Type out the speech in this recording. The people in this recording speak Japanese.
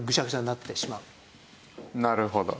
なるほど。